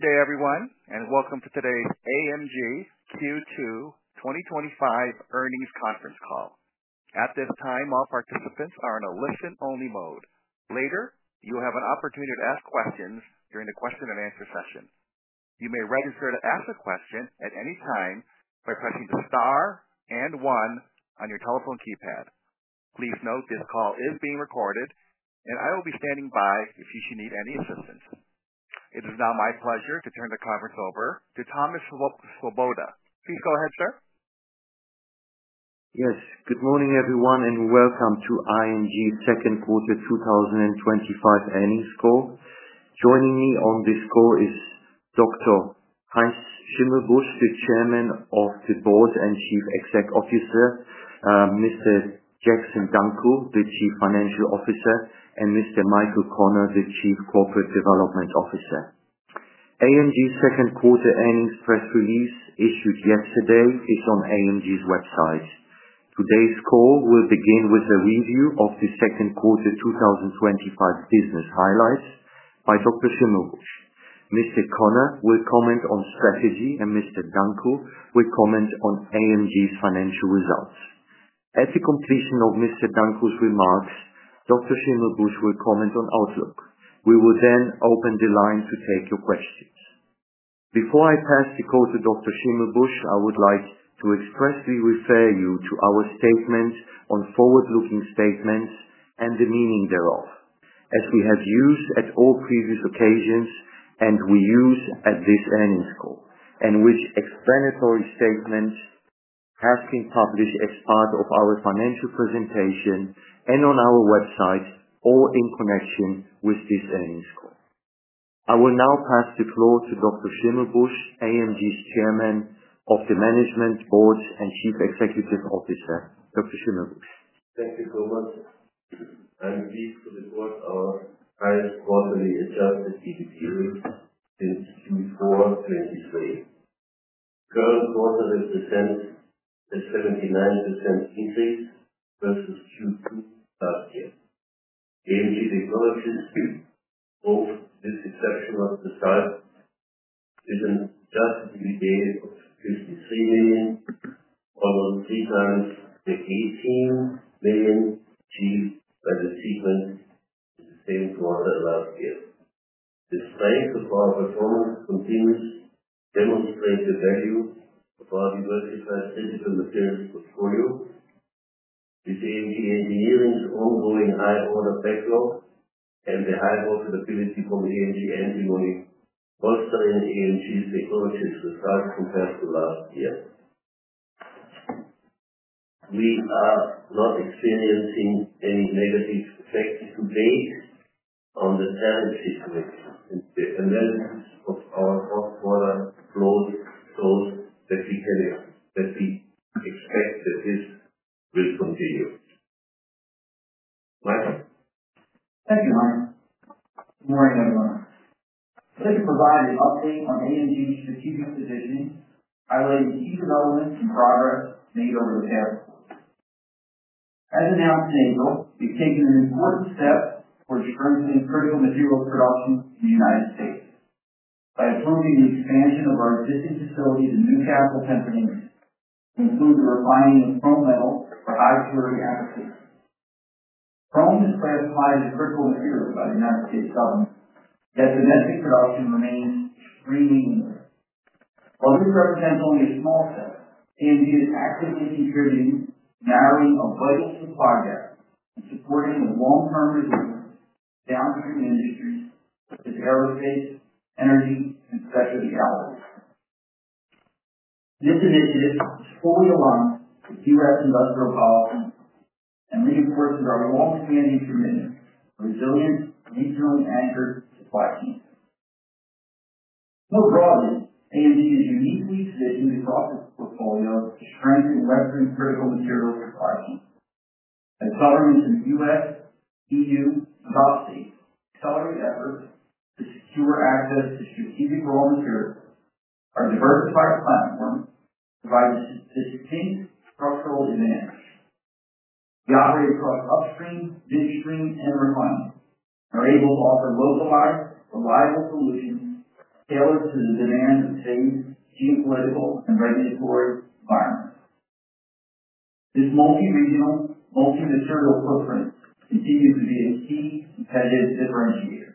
Good day, everyone, and welcome to today's AMG Q2 2025 earnings conference call. At this time, all participants are in a listen-only mode. Later, you'll have an opportunity to ask questions during the question and answer session. You may register to ask a question at any time by pressing the star and one on your telephone keypad. Please note this call is being recorded, and I will be standing by if you should need any assistance. It is now my pleasure to turn the conference over to Thomas Swoboda. Please go ahead, sir. Yes. Good morning, everyone, and welcome to AMG second quarter 2025 earnings call. Joining me on this call is Dr. Heinz Schimmelbusch, the Chairman of the Board and Chief Executive Officer, Mr. Jackson Dunckel, the Chief Financial Officer, and Mr. Michael Connor, the Chief Corporate Development Officer. AMG second quarter earnings press release issued yesterday is on AMG's website. Today's call will begin with a review of the second quarter 2025 business highlights by Dr. Schimmelbusch. Mr. Connor will comment on strategy, and Mr. Dunckel will comment on AMG's financial results. At the completion of Mr. Dunckel's remarks, Dr. Schimmelbusch will comment on outlook. We will then open the line to take your questions. Before I pass the call to Dr. Schimmelbusch, I would like to expressly refer you to our statement on forward-looking statements and the meaning thereof, as we have used at all previous occasions and we use at this earnings call, and with explanatory statements have been published as part of our financial presentation and on our website or in connection with this earnings call. I will now pass the floor to Dr. Schimmelbusch, AMG's Chairman of the Management Board and Chief Executive Officer. Dr. Schimmelbusch, let's take a look. I agree to report our high quarterly adjusted EBITDA rate since Q4 2023. Current quarter has descended by 79% compared to Q2 last year. AMG's equivalent is both the succession of the sites given just a few days of $53 million or $1,358 million achieved by the EBITDA in the same quarter last year. This strength of our performance continues to demonstrate the value of our diversified critical materials portfolio. This AMG Engineering's ongoing high order backlog and the high profitability from AMG Engineering are currently AMG's technologies the sites compared to last year. We are not experiencing any negative effects today on the challenges with the analysis of our hot water flow that we expect to see will continue. Thanks, everyone. Good morning, everyone. Thank you for providing a look at AMG's strategic positioning and the key developments and progress made over the past month. As an outstanding role, we've taken an important step towards improving critical materials production in the United States. By funding the expansion of our existing facilities and new capital companies to include the refining and coal mill, I've heard from the credit provider in the critical materials by the United States government that the metric production remains reasonable. While this represents only a small step, AMG is actively contributing to garnering a budget supply gap and supporting a long-term resilience downstream industries such as aerospace, energy, and specialty gathering. We have committed to this fully aligned to keep our industrial policies and reinforcement of a long-standing commitment to resilient regional and anchored supply chains. To the ground, AMG is uniquely positioned to foster a portfolio of strengthened Western critical materials supply chains. The power of the U.S., E.U, and all states tolerate efforts to secure access to strategic raw materials are diversified platforms to provide a distinct structural advantage. The operative costs upstream, midstream, and refinement are able to offer localized, reliable solutions tailored to the demands of today's geopolitical and regulatory environment. This multi-regional, multinational footprint continues to be a key competitive differentiator.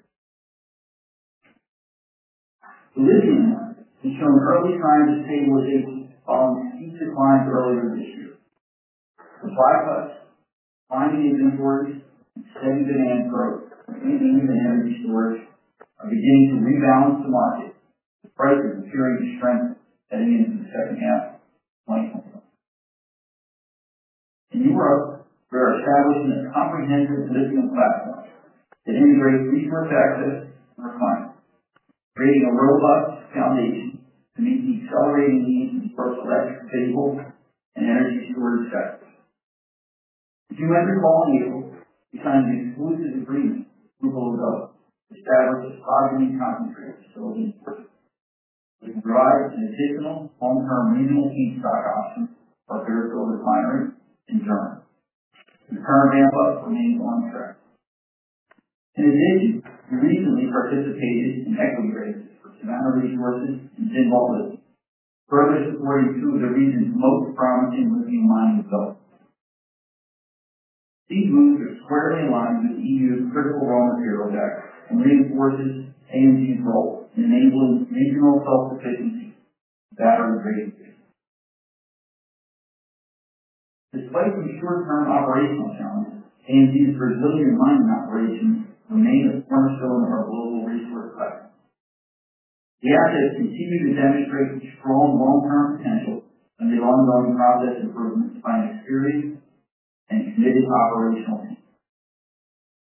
The vision has shown early signs of stabilization amongst future declining growth in this field. The bypass of high-need inventories slowly beginning to rebound to life. To the growth, there is troubles in the comprehensive executive platform, delivering resource access and refinement, creating a robust foundation to meet the accelerating needs of the first-quarter stable and unrestored stocks. You might recall, Neil, the kind of exclusive agreement we pulled out to establish a spiraling concentrated structure with a drive to additional on-time manual change stock options like the rest of the restorative clean rate and charge. It's part of our upcoming launch strategy. In addition, the region may participate in equity raids to the harvesting houses and Timberlake Lake, further supporting two of the regions most promising with the aligning costs. These moves are quarterly aligned with the E.U.'s critical raw material deck, a way to forces AMG growth and enabling regional cost efficiency without unforeseen risks. Despite the short-term operational challenge, AMG's resilient mining operations remain a strong strong stronghold of global resource planning. The architects continue to demonstrate strong long-term potential in the ongoing process improvements by ensuring and scaling operational needs.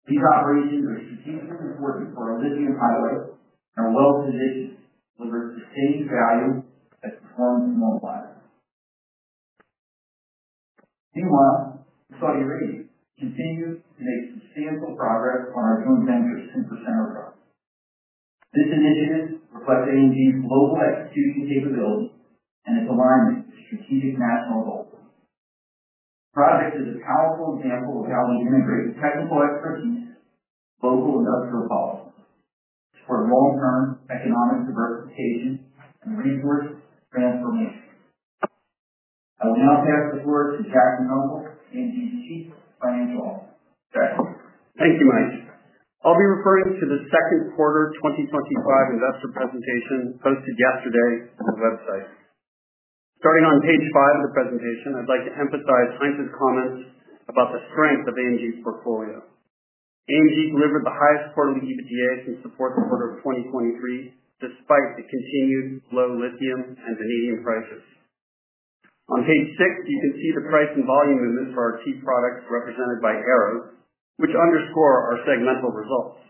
These operations are strategically supported by existing pilots and a well-positioned delivery of the same dragons to the front and mobile platforms. Meanwhile, the funding raise continues to make substantial progress on our joint ventures in the center row. This initiative reflects AMG's global execution capability and is aligned with strategic national goals. The project is a powerful example of how we integrate technical expertise in local industrial policies toward long-term economic diversification and resource transformation. I will now pass the floor to Jackson Dunkel. Thank you, Mike. I'll be reporting to the second quarter 2025 investor presentation posted yesterday on the website. Starting on page five of the presentation, I'd like to emphasize Heinz's comments about the strength of AMG's portfolio. AMG delivered the highest quarterly EBITDA since the fourth quarter of 2023, despite the continued low lithium and vanadium prices. On page six, you can see the price and volume in this for our chief product represented by arrows, which underscore our segmental results.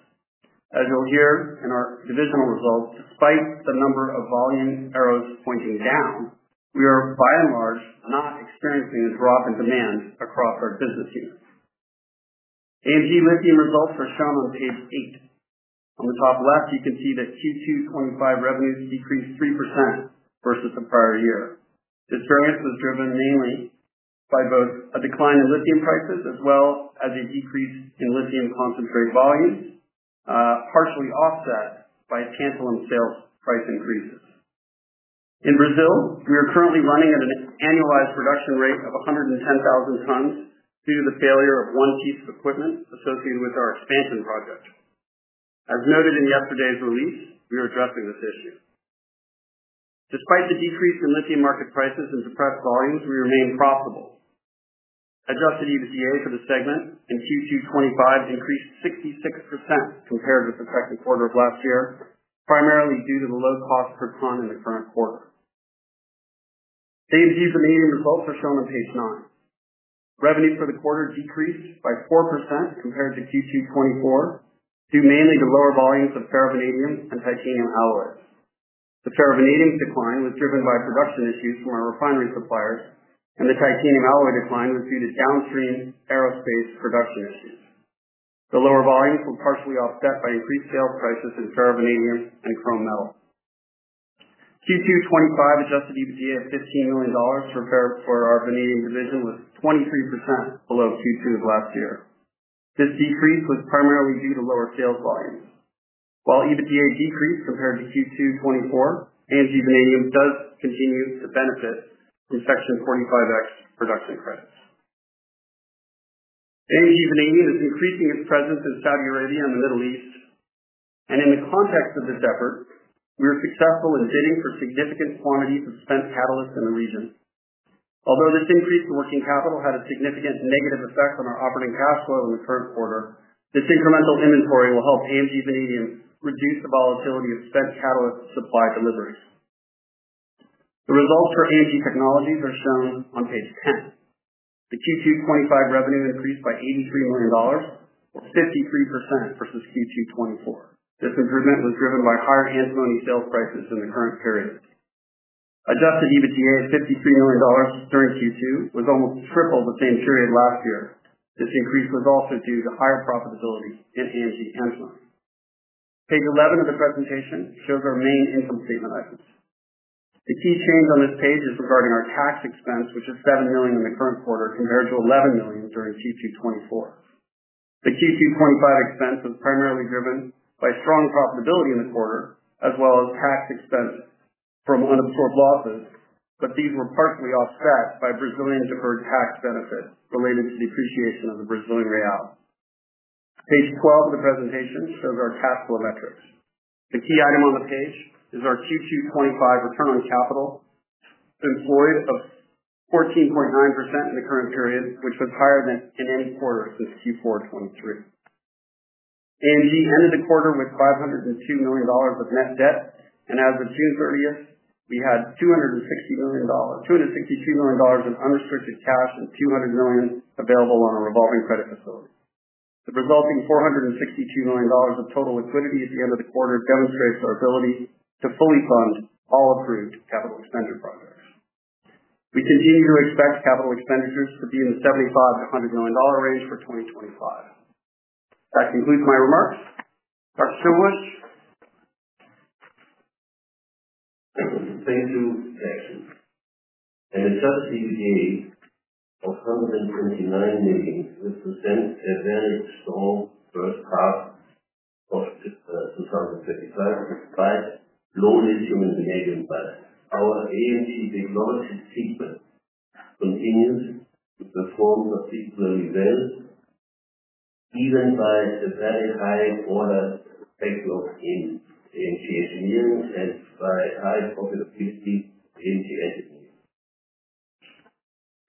As you'll hear in our divisional results, despite the number of volume arrows pointing down, we are, by and large, not experiencing a drop in demand across our business units. AMG lithium results are shown on page eight. On the top left, you can see that Q2 2025 revenues decreased 3% versus the prior year. This variance is driven mainly by both a decline in lithium prices as well as a decrease in lithium concentrate volumes, partially offset by a tantalum in sales price increases. In Brazil, we are currently running at an annualized production rate of 110,000 tons due to the failure of one piece of equipment associated with our Spodumene project. As noted in yesterday's release, we are addressing this issue. Despite the decrease in lithium market prices and suppressed volumes, we remain profitable. Adjusted EBITDA for the segment in Q2 2025 increased 66% compared with the second quarter of last year, primarily due to the low cost per ton in the current quarter. AMG's remaining results are shown on page nine. Revenue for the quarter decreased by 4% compared to Q2 2024, due mainly to lower volumes of vanadium and titanium alloys. The vanadium decline was driven by production issues from our refinery suppliers, and the titanium alloy decline was due to downstream aerospace production issues. The lower volumes were partially offset by increased sales prices in vanadium and chrome metals. Q2 2025 adjusted EBITDA of $15 million for our vanadium division was 23% below Q2 of last year. This decrease was primarily due to lower sales volumes. While EBITDA decreased compared to Q2 2024, AMG vanadium does continue to benefit from Section 45X production credits. AMG vanadium is increasing its presence in Saudi Arabia and the Middle East, and in the context of this effort, we were successful in bidding for significant quantities of spent catalysts in the region. Although this increase in working capital had a significant negative effect on our operating cash flow in the current quarter, this incremental inventory will help AMG vanadium reduce the volatility of spent catalyst supply delivery. The results for AMG Technologies are shown on page 10. The Q2 2025 revenue increased by $83 million, which is 53% versus Q2 2024. This improvement was driven by higher hands-on sales prices in the current period. Adjusted EBITDA of $53 million during Q2 was almost triple the same period last year. This increase was also due to higher profitability in AMG's hands-on. Page 11 of the presentation shows our main income statement items. The key change on this page is regarding our tax expense, which is $7 million in the current quarter compared to $11 million during Q2 2024. The Q2 2025 expense was primarily driven by strong profitability in the quarter, as well as tax expense from unabsorbed losses, but these were partially offset by Brazilian deferred tax benefits related to the appreciation of the Brazilian real. Page 12 of the presentation shows our cash flow metrics. The key item on the page is our Q2 2025 return on capital employed of 14.9% in the current period, which was higher than in any quarter since Q4 2023. AMG ended the quarter with $502 million of net debt, and as of June 30th, we had $263 million in unrestricted cash and $200 million available on a revolving credit facility. The resulting $462 million of total liquidity at the end of the quarter demonstrates our ability to fully fund all approved capital expenditure projects. We continue to expect capital expenditures to be in the $75 to $100 million range for 2025. That concludes my remarks. Dr. Heiz? As such, it seemed to be a permanent $29 million with the same advantage to all first class costs to 2035, price slowly to the negative plan. AMG's deployment sequence continues to perform particularly well, even by the very high quarter takeoff in AMG Engineering and very high opportunity to AMG Engineering.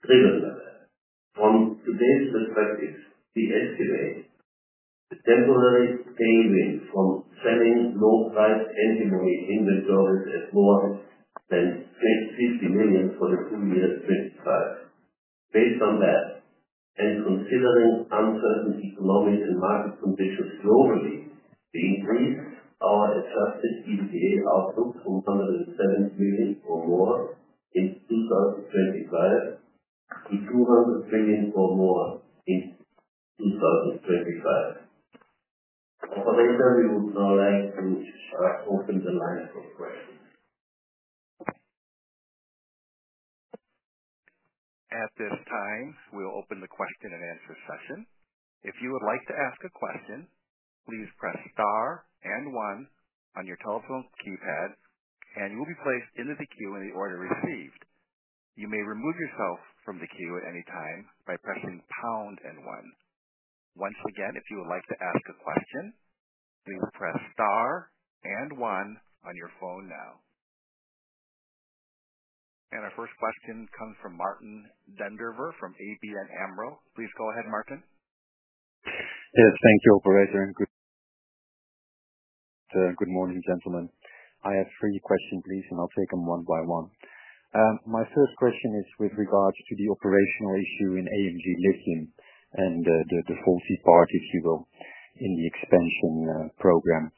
Driven by that, from today's perspective, the SCA, the temporary payment from selling low-priced engineering inventories, is more than $50 million for the two-year fixed price. Based on that, and considering uncertainty in economic environment conditions globally, the increase of our executive outlook from $107 million or more in 2025 to $200 million or more in 2025. At this time, we'll open the question-and-answer session. If you would like to ask a question, please press star and one on your telephone keypads, and you'll be placed into the queue in the order received. You may remove yourself from the queue at any time by pressing pound and one. Once again, if you would like to ask a question, you press star and one on your phone now. Our first question comes from Martijn Den Drijver from ABN AMRO. Please go ahead, Martijn. Yes, thank you, operator. Good morning, gentlemen. I have three questions, please, and I'll take them one by one. My first question is with regards to the operational issue in AMG lithium and the faulty part, if you will, in the expansion program.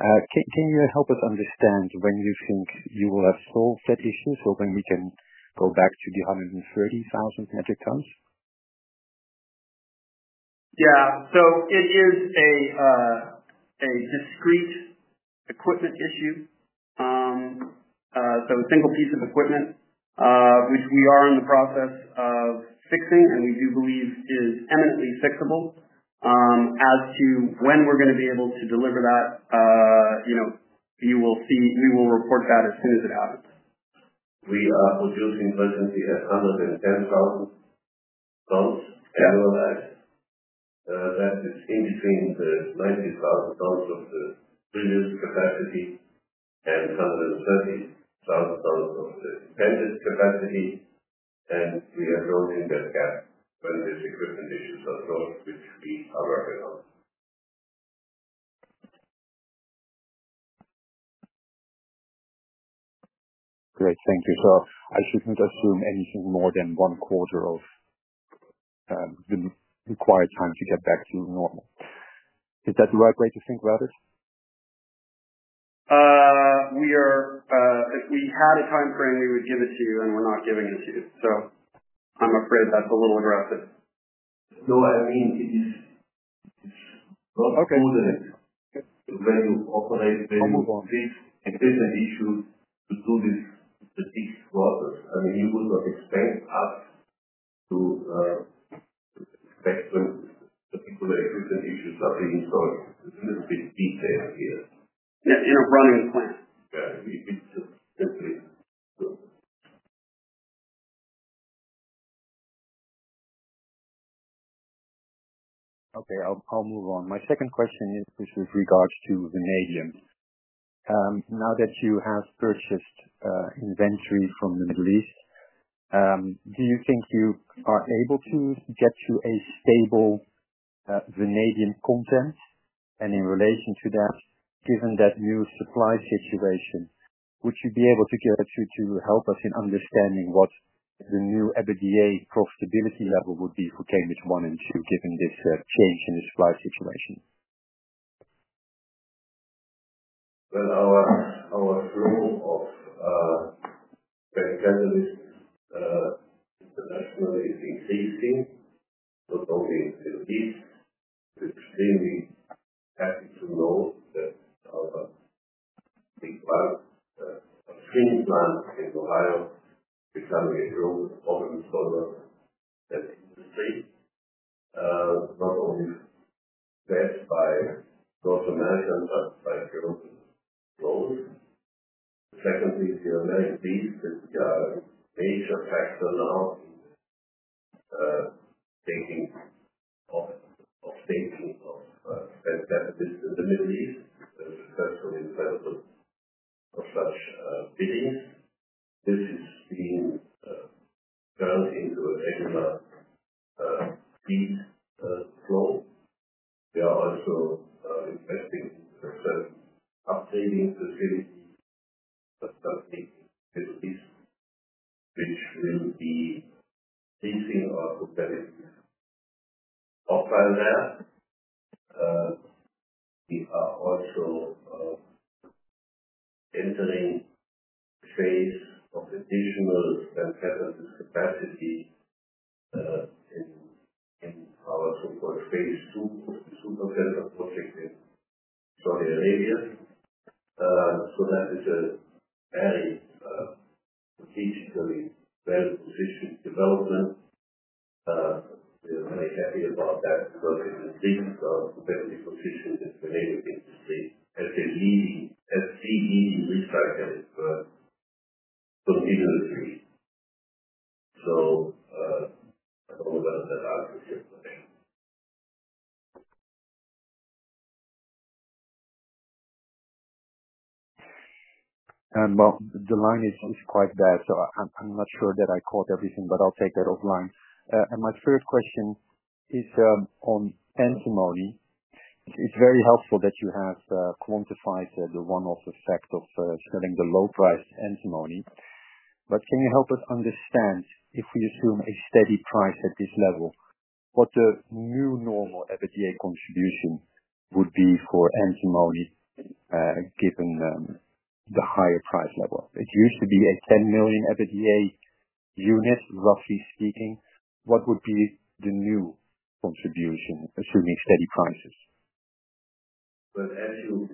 Can you help us understand when you think you will have solved that issue so we can go back to the 130,000 metric tons? It is a discrete equipment issue, a single piece of equipment, which we are in the process of fixing, and we do believe is eminently fixable. As to when we're going to be able to deliver that, you know, you will see we will report that as soon as it happens. We are also looking for instances of under the 10,000 tons and realize that it's increased to $90,000 of the previous capacity and some of the $30,000 of the dependent capacity. We are noting that gap under the significant approach. Great. Thank you. I shouldn't assume anything more than one quarter of the required time to get back to normal. Is that the right way to think about it? If we had a time frame, we would give it to you, and we're not giving it to you. I'm afraid that's a little aggressive. No, I mean, it is not a very operational thing. It is an issue to do the statistics to others. I mean, you will not expect us to speculate the people that are interested in something so a little bit detailed here. Yeah, in a running plan. Yeah. Okay. I'll move on. My second question is with regards to vanadium. Now that you have purchased inventory from the Middle East, do you think you are able to get you a stable vanadium content? In relation to that, given that new supply situation, would you be able to get you to help us in understanding what the new EBITDA profitability level would be for payment one and two, given this change in the supply situation? Our flow of purchase catalysts is actually decreasing, not only in the Middle East, but really to the north. Things are in the higher selling zone of China, not only that, but North America and the Philippines. Secondly, the United States and Asia-Pacific now. Such biddings seem to have been a bit slow. The safety of transit entering the space, the seasonal and weather capacities for space to compare the projected story area. That is a very safety-related position. If I was the executive about that, I can think about the better negotiation with the rest of the group as a leading and saving risk factor. The line is quite bad, so I'm not sure that I caught everything. I'll take that offline. My third question is on antimony. It's very helpful that you have quantified the one-off effect of selling the low-priced antimony. Can you help us understand if we assume a steady price at this level, what the new normal EBITDA contribution would be for antimony, given the higher price level? It used to be a $10 million EBITDA unit, roughly speaking. What would be the new contribution assuming steady prices? As you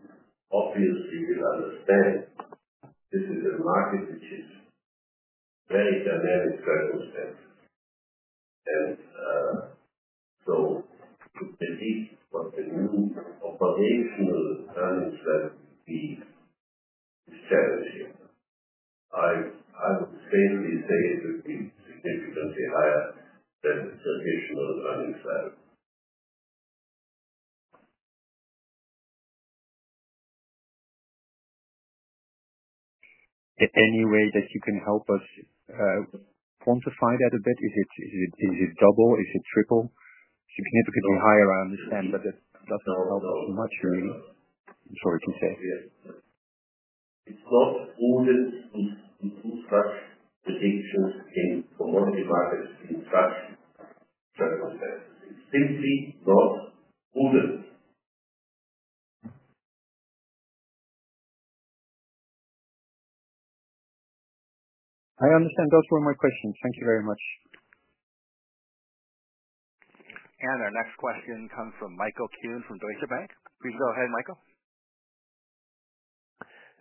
obviously will understand, this is a market situation, very dynamic currency. To predict what the new operational antimony would be, I would safely say it would be significantly higher than the traditional antimony. Any way that you can help us quantify that a bit? Is it double? Is it triple? Significantly higher, I understand, but that's a lot of butchering in certain cases. It's not. Volume is in full track. The picture is to not divide it in tracks. It's simply not volume. I understand. Those were my questions. Thank you very much. Our next question comes from Michael Kuhn from Deutsche Bank. Please go ahead, Michael.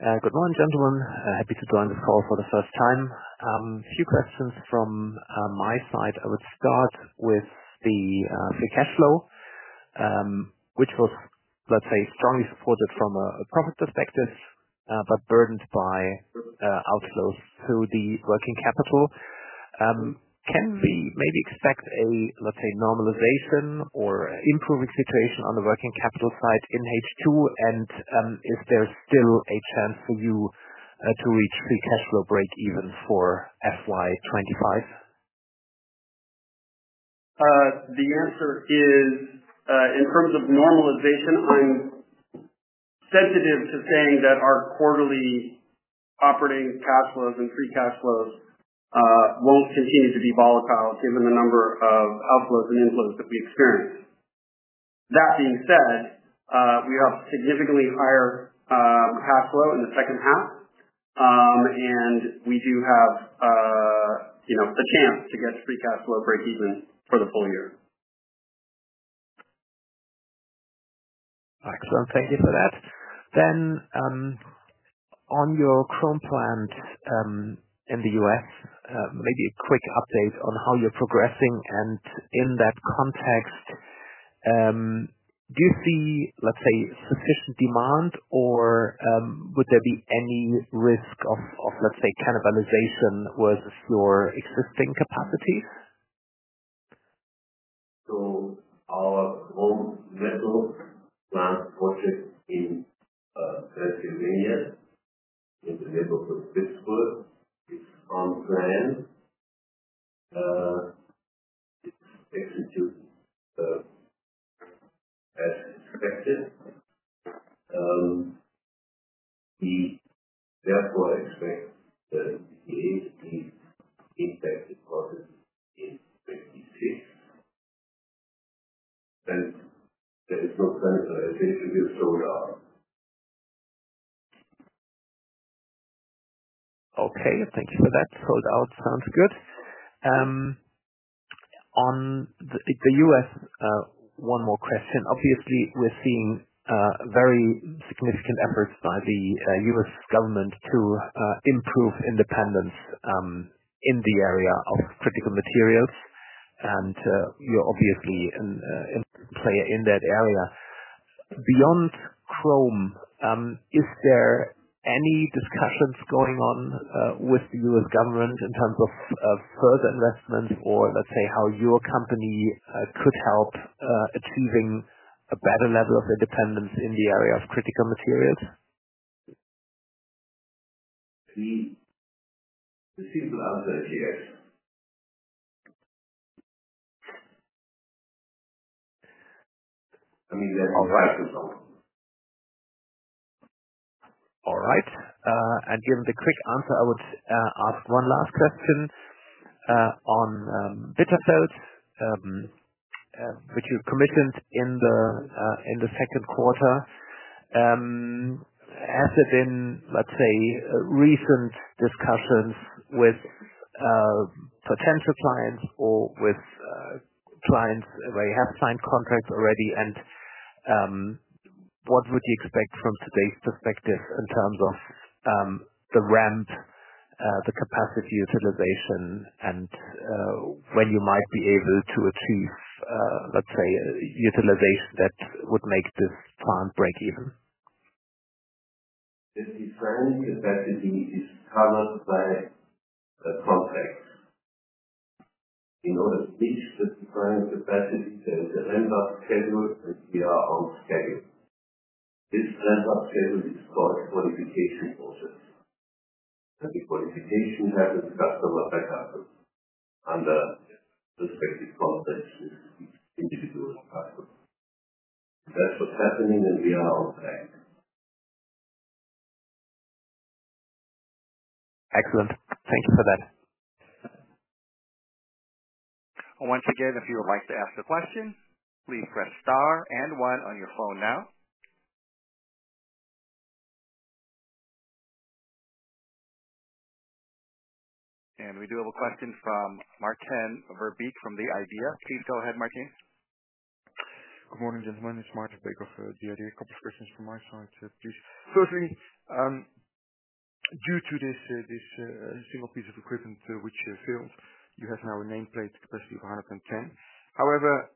Good morning, gentlemen. Happy to join the call for the first time. A few questions from my side. I would start with the free cash flow, which was, let's say, strongly supported from a profit perspective, but burdened by outflows through the working capital. Can we maybe expect a, let's say, normalization or improving situation on the working capital side in HQ? Is there still a chance for you to reach free cash flow break even for FY2025? The answer is, in terms of normalization, I'm sensitive to saying that our quarterly operating cash flows and free cash flows won't continue to be volatile given the number of outflows and inflows that we experience. That being said, we have significantly higher cash flow in the second half, and we do have the chance to get free cash flow break even for the full year. Excellent. Thank you for that. On your chrome plant in the U.S., maybe a quick update on how you're progressing. In that context, do you see, let's say, sufficient demand, or would there be any risk of, let's say, cannibalization where the store existing capacity? Our most local plant purchase in Pennsylvania is a local purchase export. It's on plan. Therefore, I expect the ESG impact on the export price and ESG to be sold out. Okay. Thank you for that. Sold out sounds good. On the U.S., one more question. Obviously, we're seeing very significant efforts by the U.S. government to improve independence in the area of critical materials, and you're obviously a player in that area. Beyond chrome, is there any discussions going on with the U.S. government in terms of further investment or, let's say, how your company could help achieving a better level of independence in the area of critical materials? I think the answer is yes. I mean, we have our right to know. All right. Given the quick answer, I would ask one last question on Bitaphotes, which you commissioned in the second quarter. Has there been, let's say, recent discussions with potential clients or with clients where you have signed contracts already? What would you expect from today's perspective in terms of the ramp, the capacity utilization, and when you might be able to achieve, let's say, utilization that would make this plant break even? This is probably a practice which is covered by the contracts. As these clients have passed the ramp-up schedule, we are out of package. This ramp-up schedule is called qualification process. At the qualification, we have a customer per capita under the specific cost as individual capita. That's what's happening when we are out of pack. Excellent. Thank you for that. Once again, if you would like to ask a question, please press star and one on your phone now. We do have a question from Martin from IDEA. Please go ahead, Martin. Good morning, gentlemen. It's Martin Baker for the IDEA. A couple of questions from my side. Due to this single piece of equipment which you have now, a nameplate capacity of 110. However,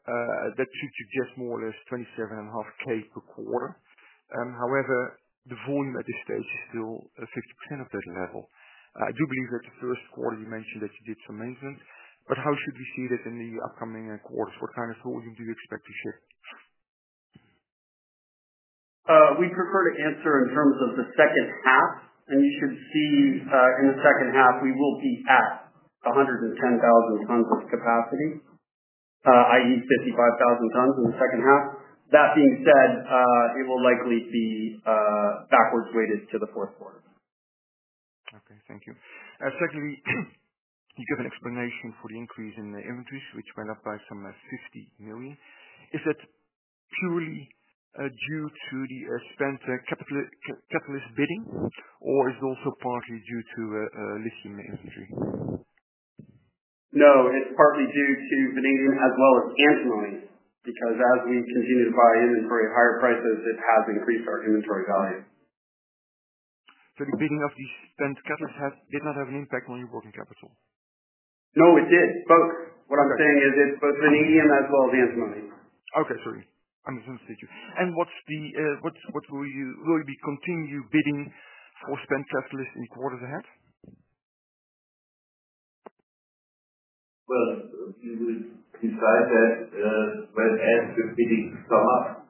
that should suggest more or less 27.5K per quarter. However, the volume at this stage is still 50% of that level. I do believe that the first quarter you mentioned that you did some maintenance. How should we see that in the upcoming quarter? What kind of volume do you expect to shift? We'd prefer to answer in terms of the second half. You should see in the second half, we will be at 110,000 tons of capacity, i.e., 55,000 tons in the second half. That being said, it will likely be backwards weighted to the fourth quarter. Okay. Thank you. Secondly, you give an explanation for the increase in the inventories, which went up by some $50 million. Is it purely due to the spent catalyst bidding, or is it also partially due to lithium inventory? No, it's partly due to vanadium as well as antimony, because as we continue to buy in at very higher prices, it has increased our inventory value. Did the bidding of these spent catalysts have an impact on your working capital? No, it did, folks. What I'm saying is it both vanadium as well as antimony. Okay. Great. Understood. Will you be continuing bidding for spent catalysts in quarters ahead? If you would describe that, when asked if bidding starts,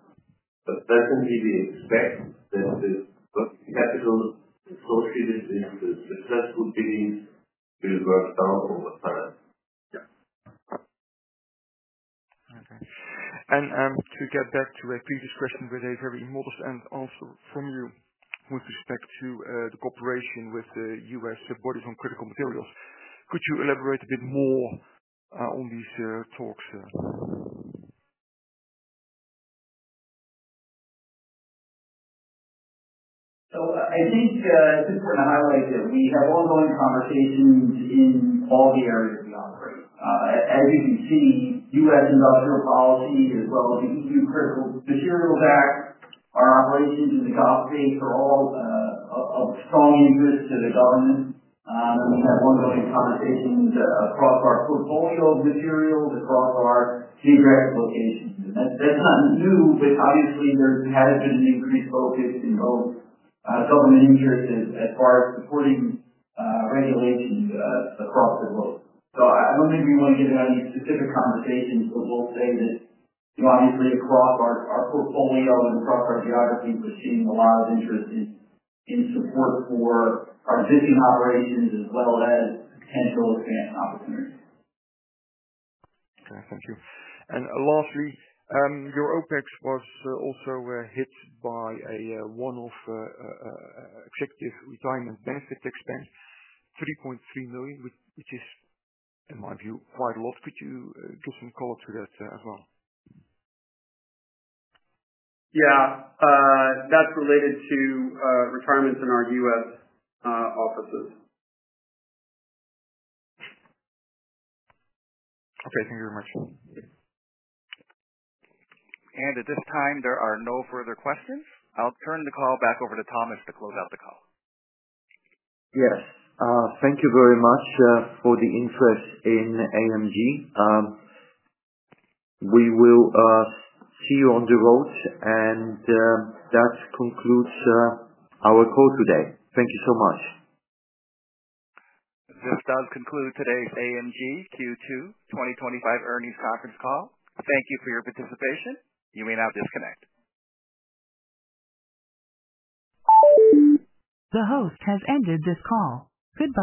that will be the expectancy. The capital proceedings, the successful biddings will work out over time. Okay. To get back to a previous question, there is a very important answer from you with respect to the cooperation with the U.S. headquarters on critical materials. Could you elaborate a bit more on these talks? I think just from a highlight of we have ongoing conversations in all the areas we operate. As you can see, U.S. industrial policy, as well as the E.U. Critical Materials Act, our operations in the Gulf States are all of strong interest to the government. We have ongoing conversations across our portfolio of materials, across our geographical cases. That's not new, but obviously, there has been an increased focus in all government interests as far as supporting regulations across the globe. I wouldn't even want to give any specific conversations. I will say that drawing through across our portfolio and across our geographies, we're seeing a lot of interest in support for our bidding operations as well as potential expansion opportunities. All right. Thank you. Lastly, your OpEx was also hit by a one-off executive retirement benefits expense, $3.3 million, which is, in my view, quite a loss. Could you give me a call to that as well? Yeah, that's related to retirements in our U.S. offices. Okay, thank you very much. At this time, there are no further questions. I'll turn the call back over to Thomas to close out the call. Yes. Thank you very much for the interest in AMG. We will see you on the road, and that concludes our call today. Thank you so much. This does conclude today's AMG Q2 2025 earnings conference call. Thank you for your participation. You may now disconnect. The host has ended this call. Goodbye.